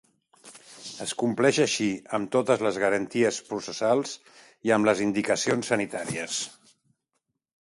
Es compleix així amb totes les garanties processals i amb les indicacions sanitàries.